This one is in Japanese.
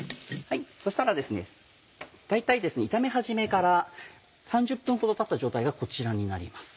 そしたらですね大体炒め始めから３０分ほどたった状態がこちらになります。